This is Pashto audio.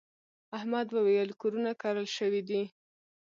احمد وويل: کورونه کرل شوي دي.